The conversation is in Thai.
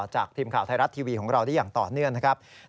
จากทีมข่าวไทยรัฐทีวีของเราได้อย่างต่อเนื่อง